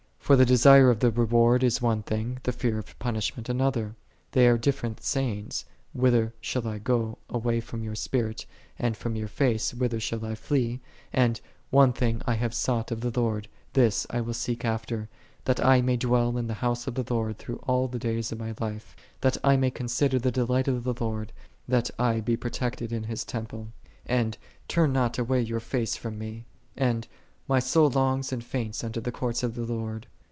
For the desire of the re • ward is one thing, the fear of punishment an ! other. They are different sayings, " Whither shall I go away from Thy Spirit, and from i Thy face whither shall I flee?"14 and, " One thing I have sought of the Lord, this I will seek after; that I may dwell in the house of the Lord through all the days of my life, that I may consider the delight of the Lord, that I be protected in His temple:"15 and, "Turn not away Thy face from me:"'6 and, "My soul longeth and fainteth unto the courts of the Lord.